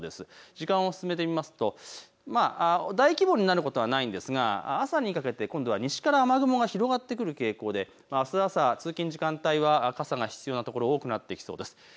時間を進めてみますと大規模になることはないんですが朝にかけて今度は西から雨雲が広がってくる傾向で、あす朝、通勤の時間帯は傘が必要な所、多くなってきそうです。